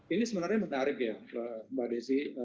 ini sebenarnya menarik ya mbak desi